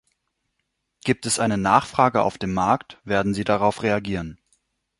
Gibt es eine Nachfrage auf dem Markt, werden sie darauf reagieren.